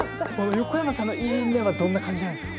横山さんの「いいね！」はどんな感じなんですか？